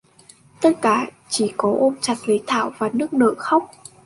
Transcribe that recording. tất cả chỉ có ôm chặt lấy thảo và nức nở khóc